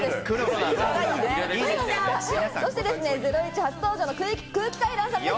そして『ゼロイチ』初登場の空気階段さんです。